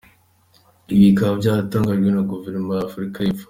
Ibi bikaba byatangajwe na guverinoma ya Afurika y’Epfo.